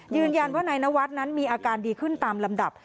ยืนยันว่านายนวัดนั้นมีอาการดีขึ้นตามลำดับ